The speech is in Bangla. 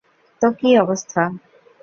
তো কী অবস্থা?